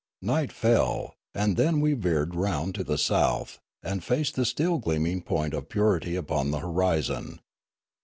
Night fell, and then we veered round to the south, and faced the still gleaming point of purity upon the horizon.